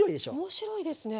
面白いですね。